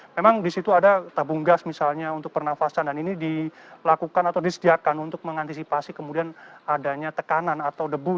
memang di situ ada tabung gas misalnya untuk pernafasan dan ini dilakukan atau disediakan untuk mengantisipasi kemudian adanya tekanan atau debu